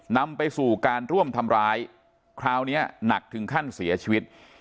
นำไปสู่การร่วมทำร้ายคราวนี้หนักถึงขั้นเสียชีวิต